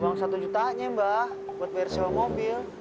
uang satu jutanya mbak buat bayar sewa mobil